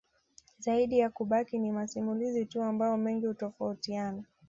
Zaidi ya kubaki ni masimulizi tu ambayo mengi hutofautina